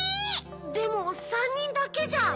⁉でも３にんだけじゃ。